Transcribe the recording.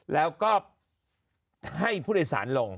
แล้วก็ให้ผู้โดยสารลง